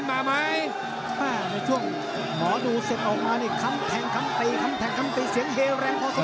มาไหมในช่วงหมอดูเสร็จออกมานี่คำแทงคำตีคำแทงคำตีเสียงเฮแรงพอสม